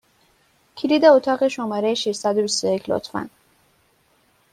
کلید اتاق شماره ششصد و بیست و یک، لطفا!